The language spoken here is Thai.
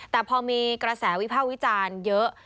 แต่พอมีกระแสวิภาควิจารณ์เยอะ